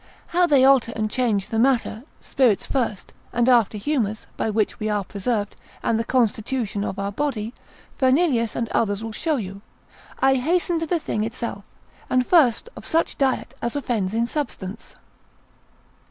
How they alter and change the matter, spirits first, and after humours, by which we are preserved, and the constitution of our body, Fernelius and others will show you. I hasten to the thing itself: and first of such diet as offends in substance.